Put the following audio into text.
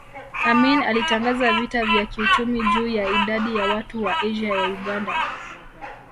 Amin alitangaza vita vya kiuchumi juu ya idadi ya watu wa Asia ya Uganda